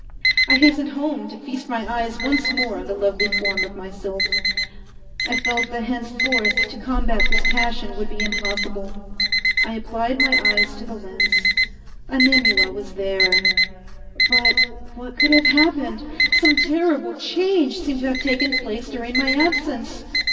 I hastened home to feast my eyes once more on the lovely form of my sylph. I felt that henceforth to combat this passion would be impossible. I applied my eyes to the lens. Animula was there but what could have happened? Some terrible change seemed to have taken place during my absence.